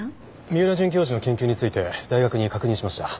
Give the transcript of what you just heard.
三浦准教授の研究について大学に確認しました。